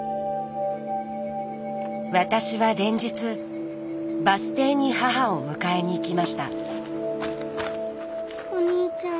私は連日バス停に母を迎えに行きました。